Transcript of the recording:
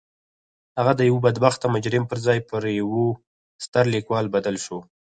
هغه د یوه بدبخته مجرم پر ځای پر یوه ستر لیکوال بدل شو